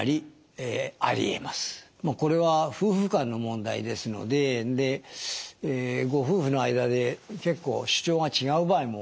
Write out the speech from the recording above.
これは夫婦間の問題ですのででご夫婦の間で結構主張が違う場合も多いんです。